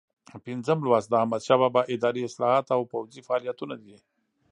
پنځم لوست د احمدشاه بابا اداري اصلاحات او پوځي فعالیتونه دي.